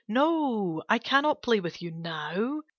No, I cannot play with you now.